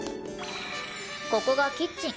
ここがキッチン。